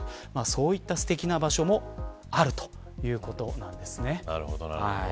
そういった、すてきな場所もあるということなんです。